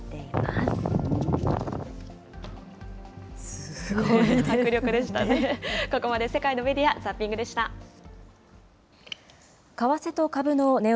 すごい迫力でしたね。